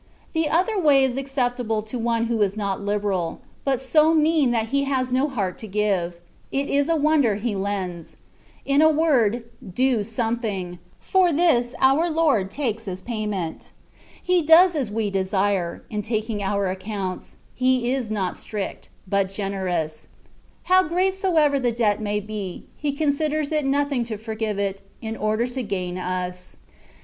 The other way is accept able to one who is not liberal, but so mean that he has no heart to give : it is a wonder he lends. In a word, do something : for this our Lord takes as payment. He does as we desire ; in taking our accounts. He is not strict, but generous: how great soever the debt may be, He considers it nothing to forgive it, in order to gain us.